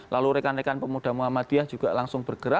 lalu rekan rekan pemuda muhammadiyah juga langsung bergerak